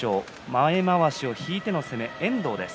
前まわしを引いての攻め遠藤です。